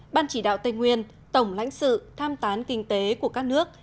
ban chỉ đạo tây nguyên tổng lãnh sự tham tán kinh tế của các nước